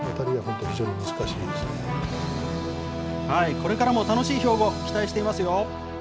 これからも楽しい標語を期待していますよ。